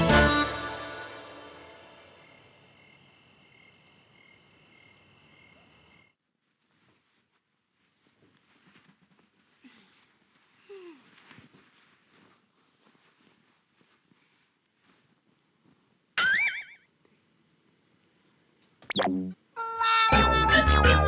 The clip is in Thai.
อะไรกันแล้ว